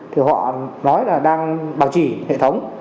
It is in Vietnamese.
thì họ nói là đang bảo chỉ hệ thống